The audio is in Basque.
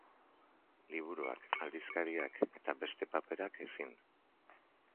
Liburuak, aldizkariak eta beste paperak, ezin.